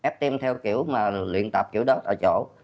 ftm theo kiểu mà luyện tập kiểu đó tại chỗ